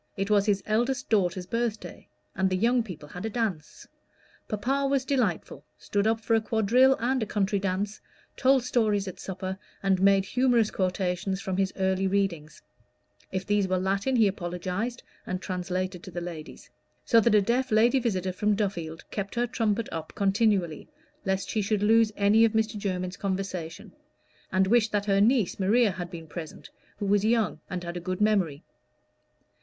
It was his eldest daughter's birthday, and the young people had a dance. Papa was delightful stood up for a quadrille and a country dance, told stories at supper, and made humorous quotations from his early readings: if these were Latin, he apologized, and translated to the ladies; so that a deaf lady visitor from Duffield kept her trumpet up continually, lest she should lose any of Mr. Jermyn's conversation, and wished that her niece Maria had been present, who was young and had a good memory.